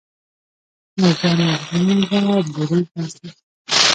مور جانه ګرانه ده بوډۍ ښايسته ده